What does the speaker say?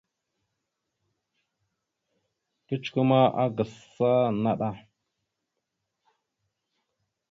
Kecikwe ma, akǝsa naɗ a.